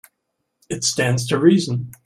It stands to reason.